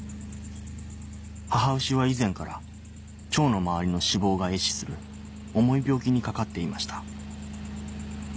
母牛は以前から腸の周りの脂肪が壊死する重い病気にかかっていました